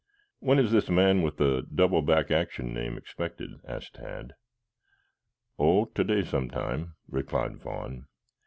"When is this man with the double back action name expected?" asked Tad. "Oh, today sometime," replied Vaughn.